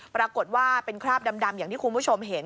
ปรากฏว่าเป็นคราบดำอย่างที่คุณผู้ชมเห็น